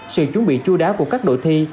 sự chuẩn bị chua đá của các đội thi